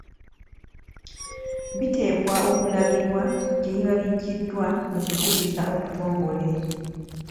Biteekwa okulagibwa gye biba biggiddwa mu kujuliza okutongole.